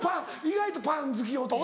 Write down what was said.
意外とパン好き男。